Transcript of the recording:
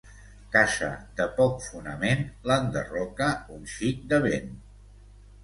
Casa de poc fonament l'enderroca un xic de vent.